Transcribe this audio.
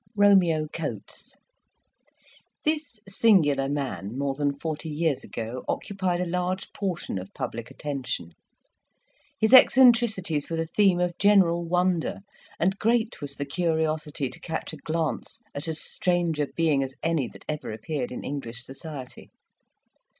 ROMEO COATES This singular man, more than forty years ago, occupied a large portion of public attention; his eccentricities were the theme of general wonder, and great was the curiosity to catch a glance at as strange a being as any that ever appeared in English society.